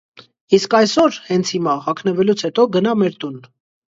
- Իսկ այսօր, հենց հիմա, հագնվելուց հետո, գնա մեր տուն: